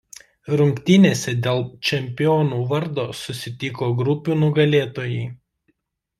Rungtynėse dėl čempionų vardo susitiko grupių nugalėtojai.